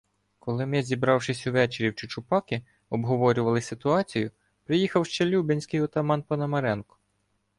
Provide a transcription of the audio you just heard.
Коли ми, зібравшись увечері в Чучупаки, обговорювали ситуацію, приїхав ще лубенський отаман Пономаренко.